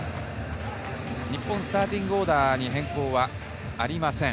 日本スターティングオーダーに変更はありません。